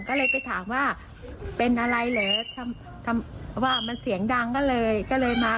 ก็เลยไปถามว่าเป็นอะไรเหรอทำว่ามันเสียงดังก็เลยก็เลยมา